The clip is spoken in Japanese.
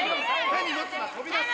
「手に持つな飛び出す」。